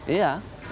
susah dan mahal